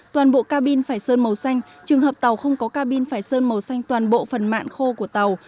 toàn bộ ca bin phải sơn màu xanh trường hợp tàu không có ca bin phải sơn màu xanh toàn bộ phần mạng khô của tàu